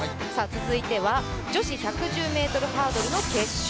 続いては女子１１０ｍハードルの決勝。